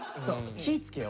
気ぃ付けよ。